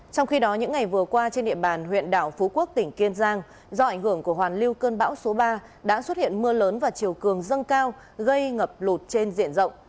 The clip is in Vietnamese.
trong khi đó những ngày vừa qua trên địa bàn huyện đảo phú quốc tỉnh kiên giang do ảnh hưởng của hoàn lưu cơn bão số ba đã xuất hiện mưa lớn và chiều cường dâng cao gây ngập lụt trên diện rộng